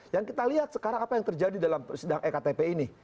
yang kita lihat sekarang apa yang terjadi dalam sidang ektp ini